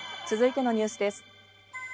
続いてのニュースです。